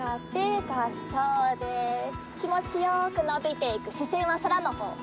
気持ち良く伸びていく視線は空の方。